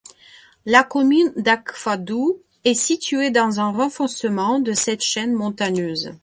La commune d'Akfadou est située dans un renfoncement de cette chaîne montagneuse.